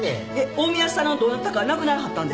近江屋さんのどなたか亡くならはったんですか？